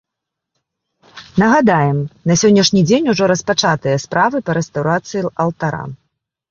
Нагадаем, на сённяшні дзень ужо распачатыя справы па рэстаўрацыі алтара.